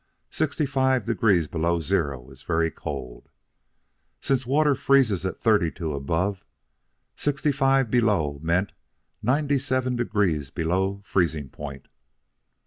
Sixty five degrees below zero is very cold. Since water freezes at thirty two above, sixty five below meant ninety seven degrees below freezing point.